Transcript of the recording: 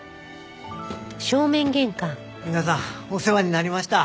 皆さんお世話になりました。